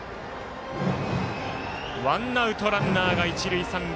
ワンアウト、ランナーが一塁三塁。